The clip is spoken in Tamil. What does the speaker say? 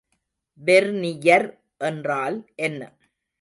வெர்னியர் என்றால் என்ன?